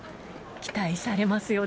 期待されますよね。